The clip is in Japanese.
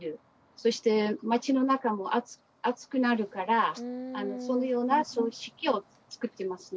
そして街の中も暑くなるからそのような組織を作ってますね。